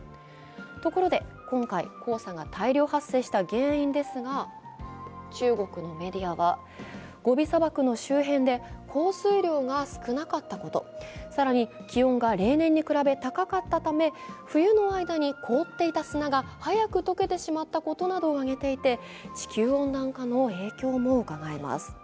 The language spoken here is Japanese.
ところで今回、黄砂が大量発生した原因ですが中国のメディアは、ゴビ砂漠の周辺で降水量が少なかったこと、更に気温が例年に比べ高かったため、冬の間に凍っていた砂が早く溶けてしまったことなどを挙げていて、地球温暖化の影響もうかがえます。